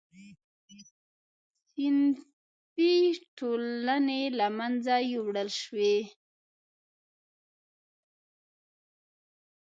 صنفي ټولنې له منځه یووړل شوې.